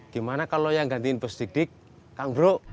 gimana kalau yang gantiin bos didik kang bro